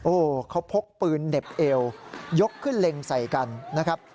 โอ้โหเขาพกปืนเหน็บเอวยกขึ้นเล็งใส่กันนะครับ